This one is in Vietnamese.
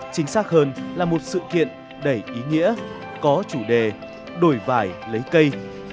chính xác hơn là một sự kiện đầy ý nghĩa có chủ đề đổi vải lấy cây